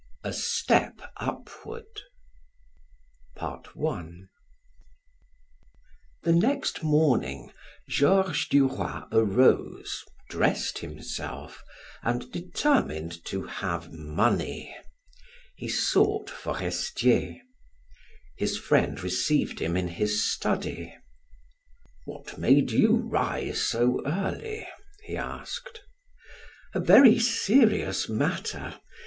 A STEP UPWARD The next morning Georges Duroy arose, dressed himself, and determined to have money; he sought Forestier. His friend received him in his study. "What made you rise so early?" he asked. "A very serious matter.